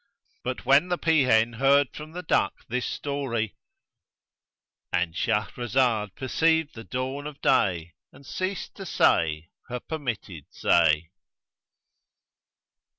But when the peahen heard from the duck this story,—And Shahrazad perceived the dawn of day and ceased to say her permitted say.